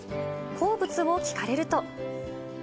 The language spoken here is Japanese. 好物を聞かれると。